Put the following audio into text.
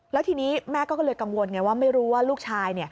แล้วทีนี้แม่ก็เลยกังวลไงว่าไม่รู้ว่าลูกชาย